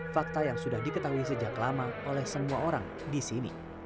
fakta yang sudah diketahui sejak lama oleh semua orang di sini